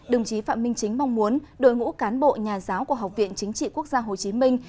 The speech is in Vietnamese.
đồng chí phạm minh chính mong muốn đội ngũ cán bộ nhà giáo của học viện chính trị quốc gia hồ chí minh